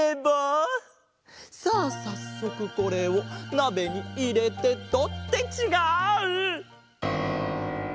さっそくこれをなべにいれてと。ってちがう！